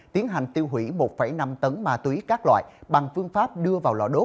tiến hành tiêu hủy một năm tấn ma túy các loại bằng phương pháp đưa vào công ty crab how